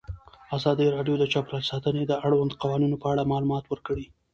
ازادي راډیو د چاپیریال ساتنه د اړونده قوانینو په اړه معلومات ورکړي.